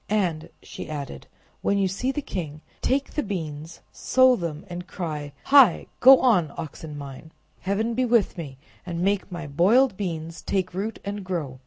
"And," she added, "when you see the king, take the beans, sow them, and cry, 'Hi! go on, oxen mine! Heaven be with me, and make my boiled beans take root and grow!